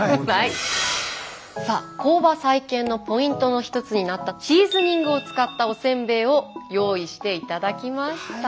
さあ工場再建のポイントの一つになったシーズニングを使ったおせんべいを用意していただきました。